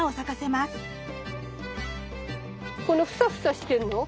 このフサフサしてるの？